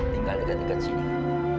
tinggal dekat dekat sini